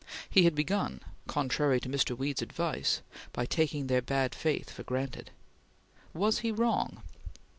He had begun contrary to Mr. Weed's advice by taking their bad faith for granted. Was he wrong?